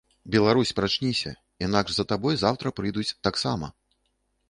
Беларусь, прачніся, інакш за табой заўтра прыйдуць таксама.